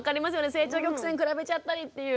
成長曲線比べちゃったりっていう。